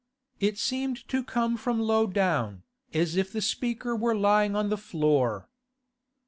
It seemed to come from low down, as if the speaker were lying on the floor.